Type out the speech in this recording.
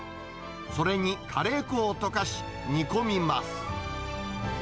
それにカレー粉を溶かし、煮込みます。